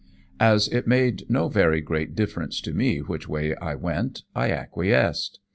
As it made no very great difference to me which way I went, I acquiesced.